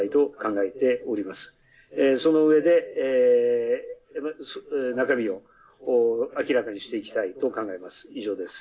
その上で中身を明らかにしていきたいと考えます。